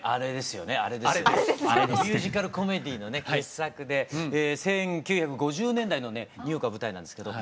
ミュージカルコメディーの傑作で１９５０年代のねニューヨークが舞台なんですけど